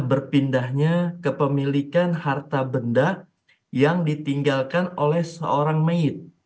berpindahnya ke pemilikan harta benda yang ditinggalkan oleh seorang meyit